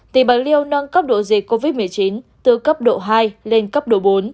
tỉnh bạc liêu nâng cấp độ dịch covid một mươi chín từ cấp độ hai lên cấp độ bốn